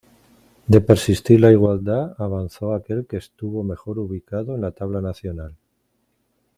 De persistir la igualdad, avanzó aquel que estuvo mejor ubicado en la tabla nacional.